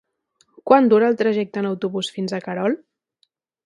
Quant dura el trajecte en autobús fins a Querol?